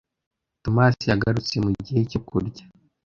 Thomas yagarutse mugihe cyo kurya.